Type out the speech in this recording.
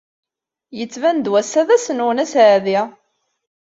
Yettban-d wass-a d ass-nwen aseɛdi.